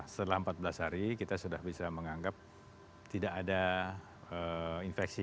setelah empat belas hari kita sudah bisa menganggap tidak ada infeksi